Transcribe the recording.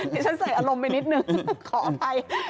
ฉันใส่อารมณ์ไปนิดนึงขออภัย